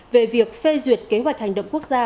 về việc phê duyệt kế hoạch hành động quốc gia